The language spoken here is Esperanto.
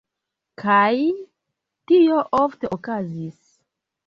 Kaj... tio ofte okazis.